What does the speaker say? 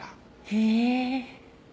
へえ。